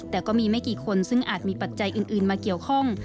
แต่ก็มีไม่กี่คนซึ่งอาจมีปัจจัยอื่นมาเกี่ยวข้อง